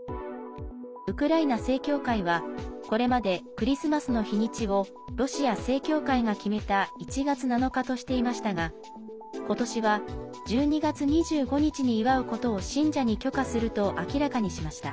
ウクライナ正教会はこれまでクリスマスの日にちをロシア正教会が決めた１月７日としていましたが今年は１２月２５日に祝うことを信者に許可すると明らかにしました。